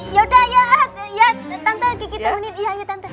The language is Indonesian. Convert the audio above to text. yaudah ya tante kiki temenin iya iya tante